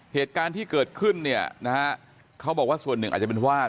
เหตุการณ์ที่เกิดขึ้นเนี่ยนะฮะเขาบอกว่าส่วนหนึ่งอาจจะเป็นวาด